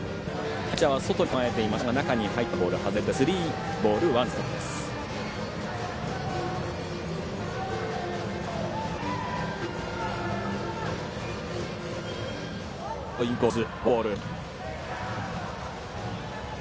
キャッチャーは外に構えていましたが中に入ったボール外れてスリーボールワンストライク。